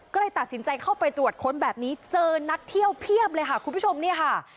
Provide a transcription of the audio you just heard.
ก็เลยตัดสินใจเข้าไปตรวจค้นแบบนี้เจอนักเที่ยวเพียบเลยค่ะคุณผู้ชมเนี่ยค่ะ